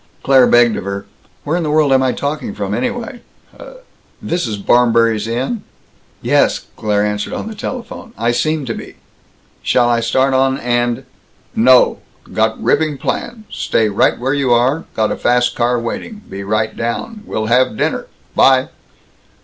Claire begged of her, "Where in the world am I talking from, anyway?" "This is Barmberry's Inn." "Yes," Claire answered on the telephone, "I seem to be. Shall I start on and " "No. Got ripping plan. Stay right where you are. Got a fast car waiting. Be right down. We'll have dinner. By!"